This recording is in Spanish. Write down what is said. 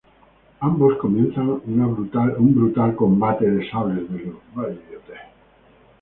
Ambos comienzan un brutal combate de sables de luz.